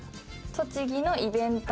「栃木のイベンター」